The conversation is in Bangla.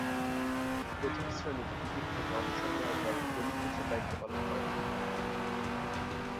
প্রথম-শ্রেণীর ক্রিকেট থেকে অবসর নেয়ার পর বোলিং কোচের দায়িত্ব পালন করেন।